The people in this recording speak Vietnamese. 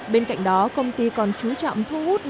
bên cạnh đó công ty còn chú trọng thu hút